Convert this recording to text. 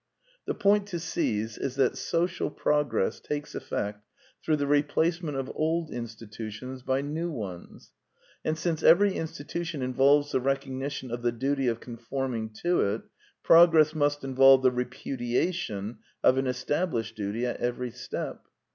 The point to seize is that social prog ress takes effect through the replacement of old institutions by new ones; and since every in stitution involves the recognition of the duty of conforming to it, progress must involve the repudiation of an established duty at every step.